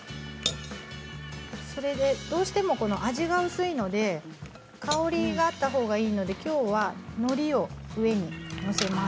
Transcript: それで、どうしても味が薄いので香りがあったほうがいいのできょうは、のりを上に載せます。